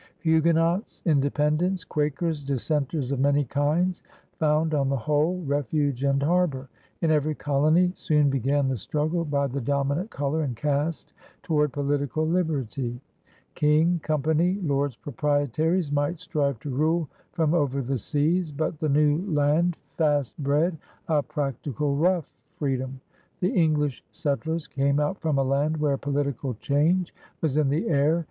*' Huguenots, Independents, Quakers, dissenters of many kinds, found on the whole refuge and harbor. In every colony soon began the struggle by the dominant color and caste toward political liberty. 810 PIONEERS OF THE OLD SOUTH King^ Company, Lords Proprietaries, might strive to rule Irom over the seas. But the new land fast bred a practical rough freedom. The English settlers came out from a land where political change was in the air.